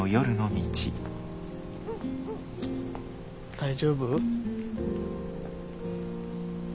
大丈夫？